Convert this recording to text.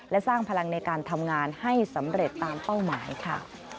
และสร้างพลังในการทำงานให้สำเร็จตามเป้าหมายค่ะ